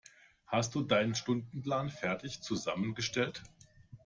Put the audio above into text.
Hast du deinen Stundenplan fertig zusammengestellt?